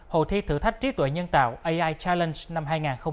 hội thi thử thách trí tuệ nhân tạo ai challenge năm hai nghìn hai mươi ba